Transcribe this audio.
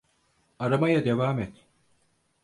Aramaya devam et.